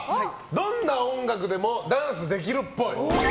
どんな音楽でもダンスできるっぽい。